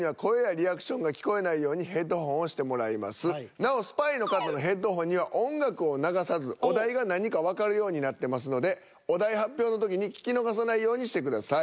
なおスパイの方のヘッドホンには音楽を流さずお題が何かわかるようになってますのでお題発表の時に聞き逃さないようにしてください。